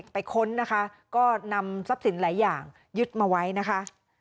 ค้นนะคะก็นำทรัพย์สินหลายอย่างยึดมาไว้นะคะ